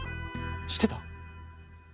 知ってた？